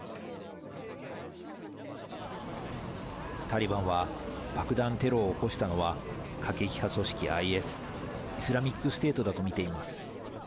タリバンは爆弾テロを起こしたのは過激派組織ＩＳ＝イスラミックステートだと見ています。